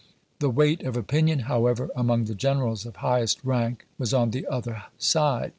The weight of opinion, however, among the generals of highest rank, was on the other side.